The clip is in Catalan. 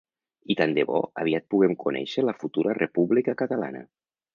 I tant de bo aviat puguem conèixer la futura república catalana.